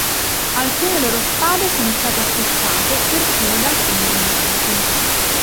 Alcune loro spade sono state acquistate perfino da alcuni regnanti.